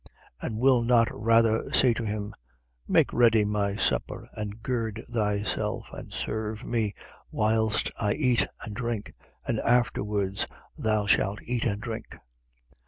17:8. And will not rather say to him: Make ready my supper and gird thyself and serve me, whilst I eat and drink; and afterwards thou shalt eat and drink?